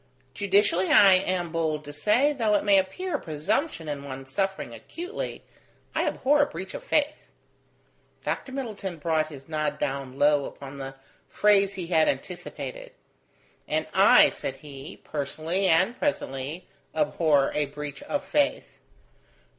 "Judicially, I am bold to say, though it may appear a presumption in one suffering acutely, I abhor a breach of faith." Dr. Middleton brought his nod down low upon the phrase he had anticipated. "And I," said he, "personally, and presently, abhor a breach of faith.